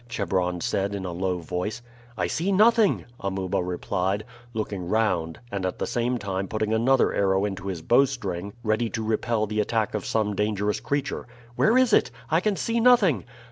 Chebron said in a low voice. "I see nothing," Amuba replied, looking round, and at the same time putting another arrow into his bowstring ready to repel the attack of some dangerous creature. "Where is it? I can see nothing."